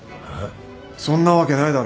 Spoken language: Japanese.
そんなわけないだろ。